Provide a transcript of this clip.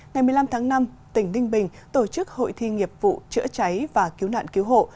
ngày một mươi năm tháng năm tỉnh ninh bình tổ chức hội thi nghiệp vụ chữa cháy và cứu nạn cứu hộ